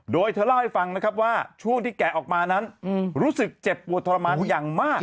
โดยเธอเล่าให้ฟังนะครับว่าช่วงที่แกะออกมานั้นรู้สึกเจ็บปวดทรมานอย่างมาก